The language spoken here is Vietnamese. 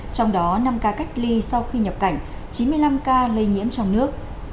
trong đó năm ca cách ly sau khi nhập cảnh chín mươi năm ca lây nhiễm trong nước